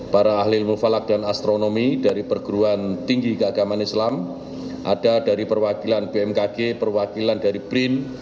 para ahli mufalak dan astronomi dari perguruan tinggi keagamaan islam ada dari perwakilan bmkg perwakilan dari brin